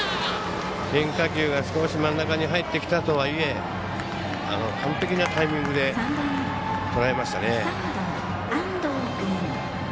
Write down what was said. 変化球が少し真ん中に入ってきたとはいえ完璧なタイミングでとらえましたね。